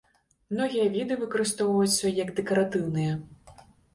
Многія віды выкарыстоўваюцца як дэкаратыўныя.